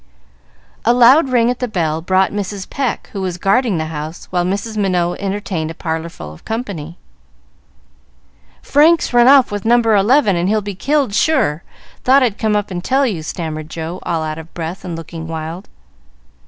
A loud ring at the bell brought Mrs. Pecq, who was guarding the house, while Mrs. Minot entertained a parlor full of company. "Frank's run off with No. 11, and he'll be killed sure. Thought I'd come up and tell you," stammered Joe, all out of breath and looking wild.